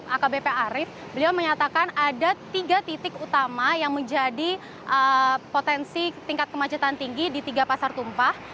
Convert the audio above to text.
akbp arief beliau menyatakan ada tiga titik utama yang menjadi potensi tingkat kemacetan tinggi di tiga pasar tumpah